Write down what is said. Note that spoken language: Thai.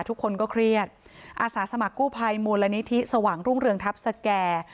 ทุกคนก็เครียดอาสาสมัครกู้ภัยมูลนิธิสว่างรุ่งเรืองทัพสแก่